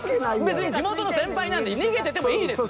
別に地元の先輩なんで逃げててもいいです。